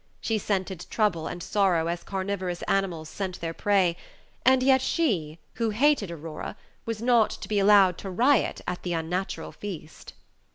She scented trouble and sorrow as carnivorous animals scent their prey, and yet she, who hated Aurora, was not to be allowed to riot at the unnatural feast.